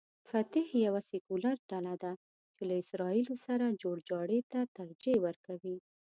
فتح یوه سیکولر ډله ده چې له اسراییلو سره جوړجاړي ته ترجیح ورکوي.